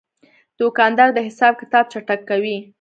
دوکاندار د حساب کتاب چټک کوي.